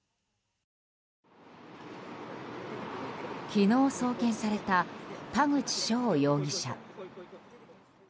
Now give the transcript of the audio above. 昨日、送検された田口翔容疑者。